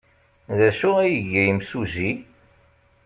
D acu ay iga yimsujji?